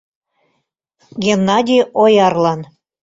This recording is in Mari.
Геннадий Оярлан